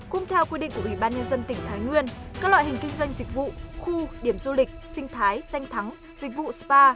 cũng theo quy định của ubnd tỉnh thái nguyên các loại hình kinh doanh dịch vụ khu điểm du lịch sinh thái danh thắng dịch vụ spa